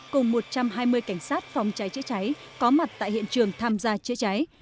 cùng một trăm hai mươi cảnh sát phòng cháy chữa cháy có mặt tại hiện trường tham gia chữa cháy